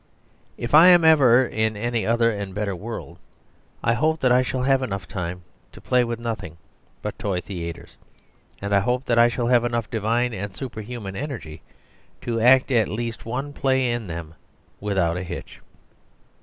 If I am ever in any other and better world, I hope that I shall have enough time to play with nothing but toy theatres; and I hope that I shall have enough divine and superhuman energy to act at least one play in them without a hitch.